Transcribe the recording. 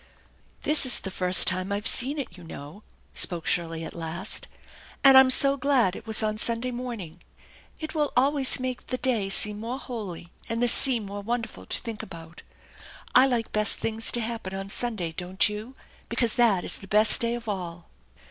" This is the first time I've ever seen it, you know/' spoke Shirley at last, " and I'm so glad it was on Sunday morning. It will always make the day seem more holy and the sea more wonderful to think about. I like best things to happen on Sunday, don't you, because that is the best day of all